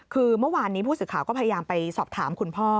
คือเมื่อวานนี้ผู้สื่อข่าวก็พยายามไปสอบถามคุณพ่อ